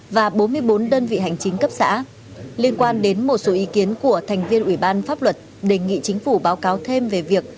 và bốn mươi bốn đơn vị hành chính cấp xã liên quan đến một số ý kiến của thành viên ủy ban pháp luật đề nghị chính phủ báo cáo thêm về việc